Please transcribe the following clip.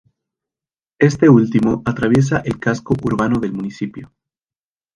Este último atraviesa el casco urbano del municipio.